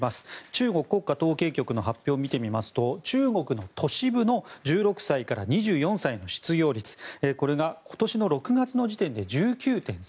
中国国家統計局の発表を見てみますと、中国の都市部の１６歳から２４歳の失業率これが今年の６月時点で１９．３％です。